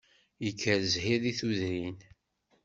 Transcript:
Yekker zzhir di tudrin